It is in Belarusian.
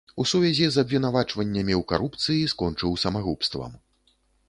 У сувязі з абвінавачваннямі ў карупцыі скончыў самагубствам.